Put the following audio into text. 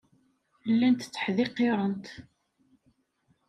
Llant tteḥdiqirent.